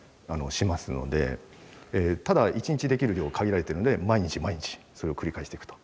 ただ一日できる量限られてるので毎日毎日それを繰り返していくと。